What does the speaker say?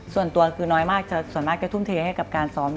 ส่วนตัวคือน้อยมากส่วนมากก็ทุ่มเทให้กับการซ้อม